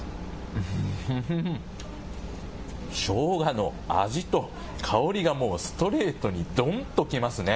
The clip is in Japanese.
しょうがの味と香りがストレートにどんときますね。